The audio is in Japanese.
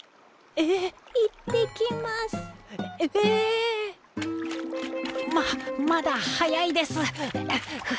ええっ⁉ままだ早いです！